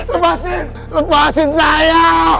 lepasin lepasin saya